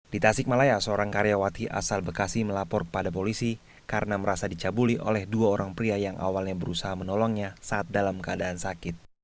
di tasikmalaya seorang karyawati asal bekasi melapor pada polisi karena merasa dicabuli oleh dua orang pria yang awalnya berusaha menolongnya saat dalam keadaan sakit